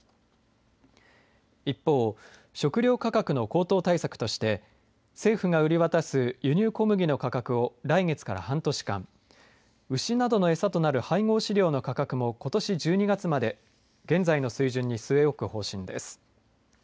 一方、食料価格の高騰対策として政府が売り渡す輸入小麦の価格を来月から半年間牛などの餌となる配合飼料の価格もことし１２月まで現在の水準に据え置く方針です。